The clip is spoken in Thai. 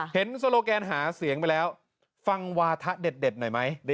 โซโลแกนหาเสียงไปแล้วฟังวาทะเด็ดหน่อยไหม